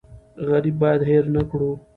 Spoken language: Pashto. غریب باید هېر نکړو.